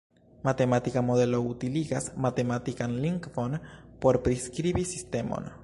Matematika modelo utiligas matematikan lingvon por priskribi sistemon.